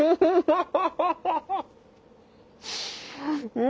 うん！